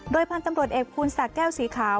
โดยพันธ์ตำรวจเอกคุณสัตว์แก้วสีขาว